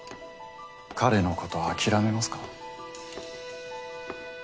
彼のこと諦めますか？